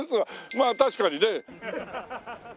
まあ確かにね。